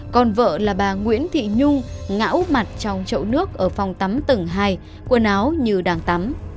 còn vợ là bà nguyễn thị nhung ngão mặt trong chậu nước ở phòng tắm tầng hai quần áo như đang tắm